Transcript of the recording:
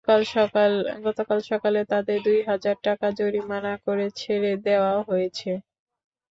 গতকাল সকালে তাঁদের দুই হাজার টাকা জরিমানা করে ছেড়ে দেওয়া হয়েছে।